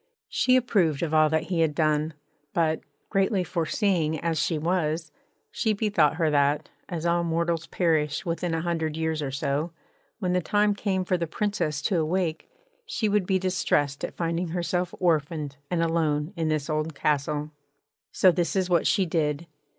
She approved of all that he had done; but, greatly foreseeing as she was, she bethought her that, as all mortals perish within a hundred years or so, when the time came for the Princess to awake she would be distressed at finding herself orphaned and alone in this old castle. So this is what she did.